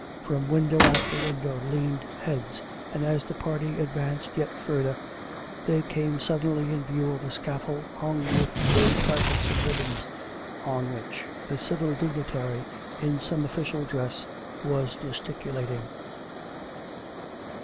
From window after window leaned heads, and, as the party advanced yet further, they came suddenly in view of a scaffold hung with gay carpets and ribbons, on which a civil dignitary, in some official dress, was gesticu lating.